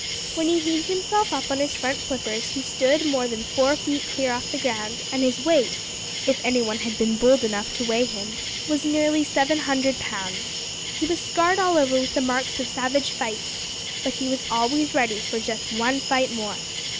When he heaved himself up on his front flippers he stood more than four feet clear of the ground, and his weight, if anyone had been bold enough to weigh him, was nearly seven hundred pounds. He was scarred all over with the marks of savage fights, but he was always ready for just one fight more.